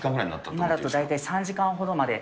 今だと大体３時間ほどで。